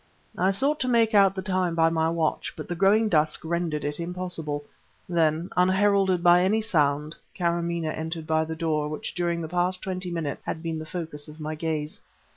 I sought to make out the time by my watch, but the growing dusk rendered it impossible. Then, unheralded by any sound, Kâramaneh entered by the door which during the past twenty minutes had been the focus of my gaze.